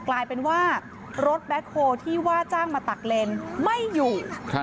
กลายเป็นว่ารถแบ็คโฮที่ว่าจ้างมาตักเลนไม่อยู่